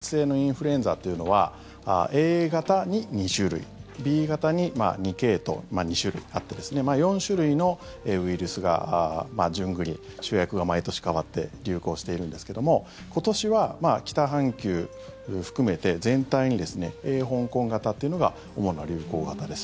そもそも、季節性のインフルエンザというのはＡ型に２種類Ｂ型に２系統、２種類あって４種類のウイルスが順繰り主役が毎年変わって流行しているんですけども今年は北半球含めて全体にＡ香港型というのが主な流行型です。